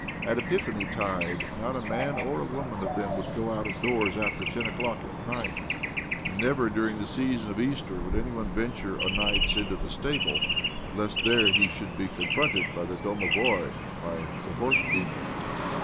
At Epiphany tide not a man or a woman of them would go out of doors after ten o'clock at night ; and never during the season of Easter would any one venture o' nights into the stable, lest there he should be confronted by the domovoi, by the horse demon.